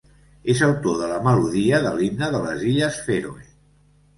És l'autor de la melodia de l'himne de les Illes Fèroe.